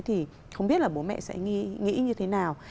thì không biết là bố mẹ sẽ nghĩ như thế nào